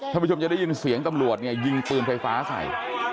ท่านผู้ชมจะได้ยินเสียงตำรวจเนี่ยยิงปืนไฟฟ้าใส่